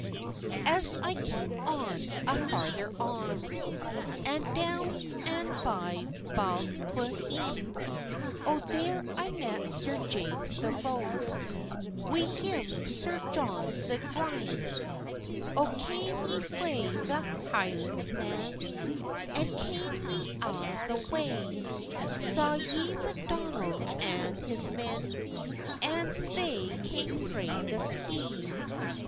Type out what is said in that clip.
As I cam on, an farther on, An doun an by Balquhain, Oh there I met Sir James the Rose, Wi him Sir John the Gryme. "O cam ye frae the Hielans, man? And cam ye a' the wey? Saw ye Macdonell an his men, As they cam frae the Skee?"